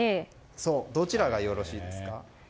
どちらがよろしいですか。